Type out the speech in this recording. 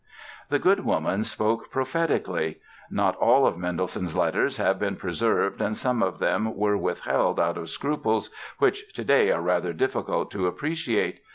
The good woman spoke prophetically! Not all of Mendelssohn's letters have been preserved and some of them were withheld out of scruples which today are rather difficult to appreciate.